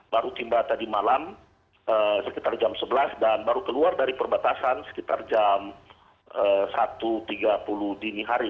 baru tiba tadi malam sekitar jam sebelas dan baru keluar dari perbatasan sekitar jam satu tiga puluh dini hari